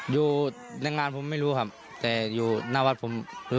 อยู่ในงานผมไม่รู้ครับแต่อยู่หน้าวัดผมคือ